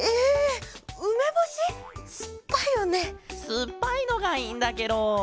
すっぱいのがいいんだケロ。